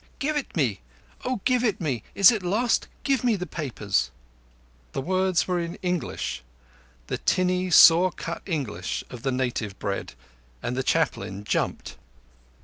"Give it me. O, give it me. Is it lost? Give me the papers." The words were in English—the tinny, saw cut English of the native bred, and the Chaplain jumped.